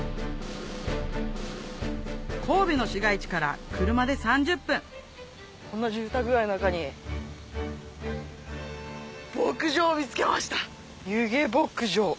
神戸の市街地から車で３０分こんな住宅街の中に牧場を見つけました弓削牧場。